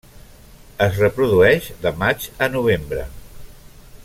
Es reprodueix de maig a novembre.